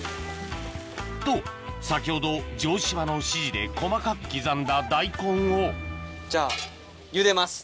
と先ほど城島の指示で細かく刻んだ大根をじゃあ。